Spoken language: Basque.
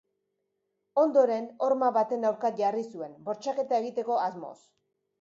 Ondoren, horma baten aurka jarri zuen, bortxaketa egiteko asmoz.